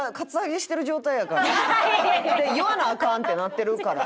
言わなアカンってなってるから。